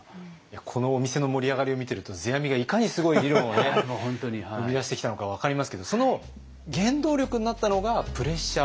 このお店の盛り上がりを見てると世阿弥がいかにすごい理論を生み出してきたのか分かりますけどその原動力になったのがプレッシャー。